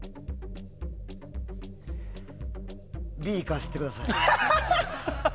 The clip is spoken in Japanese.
Ｂいかせてください。